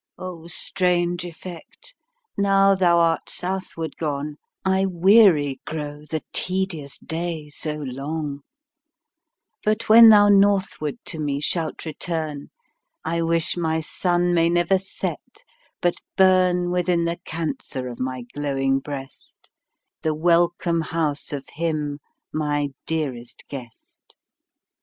O strange effect! now thou art southward gone, I weary grow the tedious day so long; But when thou northward to me shalt return, I wish my Sun may never set, but burn Within the Cancer of my glowing breast, The welcome house of him my dearest guest.